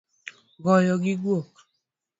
Goyo gi guok